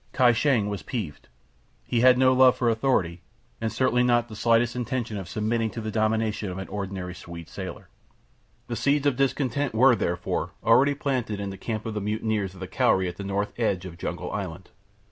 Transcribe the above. Kai Shang was peeved. He had no love for authority, and certainly not the slightest intention of submitting to the domination of an ordinary Swede sailor. The seeds of discontent were, therefore, already planted in the camp of the mutineers of the Cowrie at the north edge of Jungle Island.